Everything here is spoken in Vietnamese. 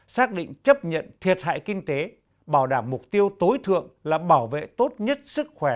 xác định chấp nhận thiệt hại kinh tế bảo đảm mục tiêu tối thượng là bảo vệ tốt nhất sức khỏe